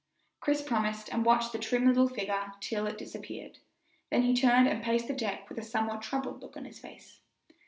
Chris promised, and watched the trim little figure till it disappeared; then he turned and paced the deck with a somewhat troubled look on his kind face.